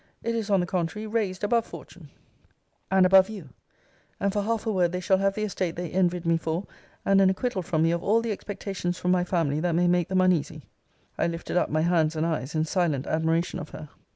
It is, on the contrary, raised above fortune, and above you; and for half a word they shall have the estate they envied me for, and an acquittal from me of all the expectations from my family that may make them uneasy. I lifted up my hands and eyes in silent admiration of her.